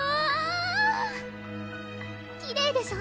きれいでしょ？